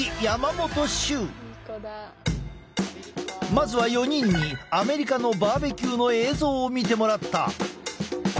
まずは４人にアメリカのバーベキューの映像を見てもらった。